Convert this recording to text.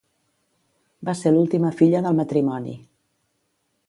Va ser l'última filla del matrimoni.